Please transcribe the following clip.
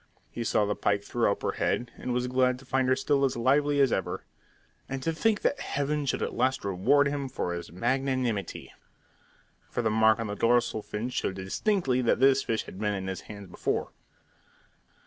He saw the pike throw up her head, and was glad to find her still as lively as ever. And to think that Heaven should at last reward him for his magnanimity! For the mark on the dorsal fin showed distinctly that this fish had been in his hands before.